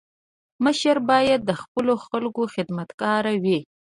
مشر باید د خپلو خلکو خدمتګار وي.